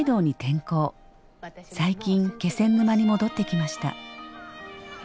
最近気仙沼に戻ってきました。